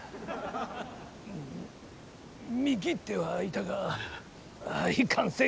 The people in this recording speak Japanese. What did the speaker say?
見切ってはいたがいかんせん